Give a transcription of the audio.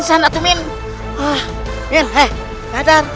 itu sebanyak surat muslim mengjelas bijak dari kuluh